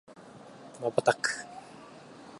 瞬く